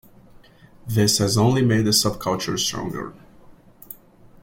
This has only made the subculture stronger.